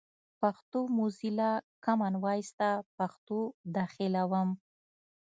پښتو موزیلا، کامن وایس ته پښتو داخلوم.